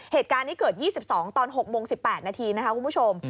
เหตุการณ์นี้เกิด๒๒ตอน๖โมง๑๘นาทีนะคะคุณผู้ชม